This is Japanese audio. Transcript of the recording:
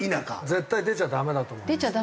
絶対出ちゃダメだと思います。